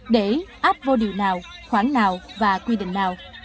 để áp vô điều nào khoản nào và quy định nào